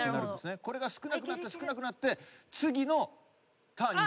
これが少なくなって少なくなって次のターンに。